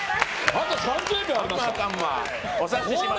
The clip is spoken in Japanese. あと３０秒ありますから。